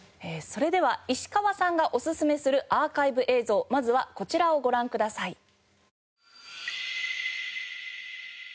それでは石川さんがおすすめするアーカイブ映像まずはこちらをご覧ください。